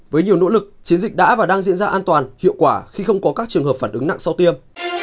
với nhiều nỗ lực chiến dịch đã và đang diễn ra an toàn hiệu quả khi không có các trường hợp phản ứng nặng sau tiêm